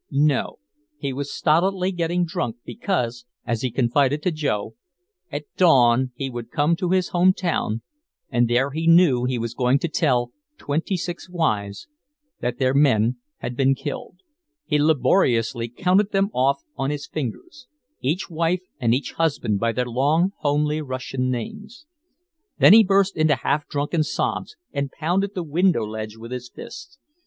No, he was stolidly getting drunk because, as he confided to Joe, at dawn he would come to his home town and there he knew he was going to tell twenty six wives that their men had been killed. He laboriously counted them off on his fingers each wife and each husband by their long, homely Russian names. Then he burst into half drunken sobs and pounded the window ledge with his fist.